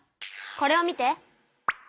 これを見て。